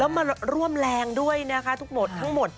แล้วมันร่วมแรงด้วยนะคะทั้งหมด